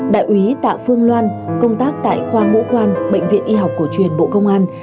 đại úy tạ phương loan công tác tại khoa ngũ quan bệnh viện y học cổ truyền bộ công an